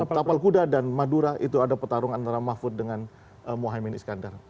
di wilayah tapal kuda dan madura itu ada pertarungan antara mahfud dengan muhyamin iskandar